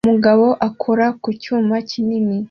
Umugabo akora ku cyuma kinini